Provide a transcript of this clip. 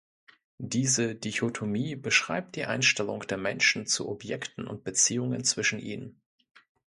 Diese Dichotomie beschreibt die Einstellung der Menschen zu Objekten und Beziehungen zwischen ihnen.